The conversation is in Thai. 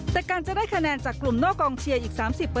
แต่การจะได้คะแนนจากกลุ่มนอกกองเชียร์อีก๓๐